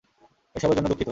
এসবের জন্য দুঃখিত।